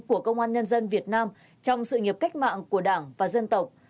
của công an nhân dân việt nam trong sự nghiệp cách mạng của đảng và dân tộc